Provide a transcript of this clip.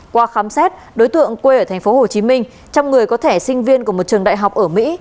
qua khám xét đối tượng quê ở thành phố hồ chí minh trong người có thẻ sinh viên của một trường đại học ở mỹ